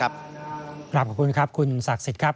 ขอบคุณครับคุณศักดิ์สิทธิ์ครับ